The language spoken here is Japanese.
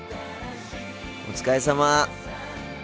お疲れさま。